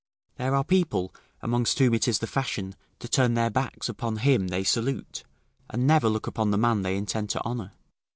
There are people, amongst whom it is the fashion to turn their backs upon him they salute, and never look upon the man they intend to honour.